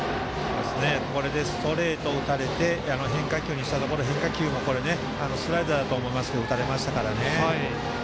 ストレートを打たれて変化球にしたところスライダーだと思いますが打たれました。